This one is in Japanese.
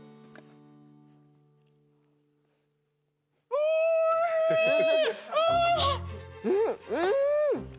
うん。